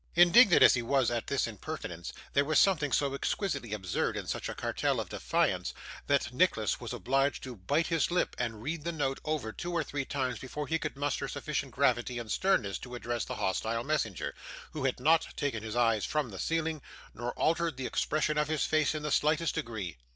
Indignant as he was at this impertinence, there was something so exquisitely absurd in such a cartel of defiance, that Nicholas was obliged to bite his lip and read the note over two or three times before he could muster sufficient gravity and sternness to address the hostile messenger, who had not taken his eyes from the ceiling, nor altered the expression of his face in the slightest degree.